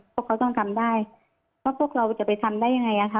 พวกเขาต้องทำได้ว่าพวกเราจะไปทำได้ยังไงอะค่ะ